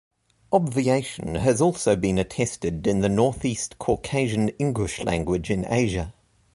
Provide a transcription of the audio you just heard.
Obviation has also been attested in the Northeast Caucasian Ingush language in Asia.